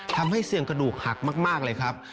ทำให้เสี่ยงกระดูกหักมากเลยครับ